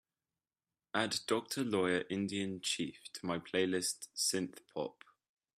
Add doctor lawyer indian chief to my playlist Synth Pop